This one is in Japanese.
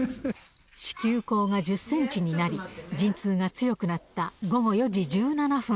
子宮口が１０センチになり、陣痛が強くなった午後４時１７分。